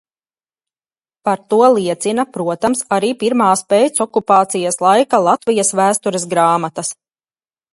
Par to liecina, protams, arī pirmās pēcokupācijas laika Latvijas vēstures grāmatas.